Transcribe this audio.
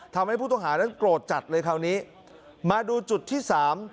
ทำให้ผู้ต้องหานั้นโกรธจัดเลยคราวนี้มาดูจุดที่สาม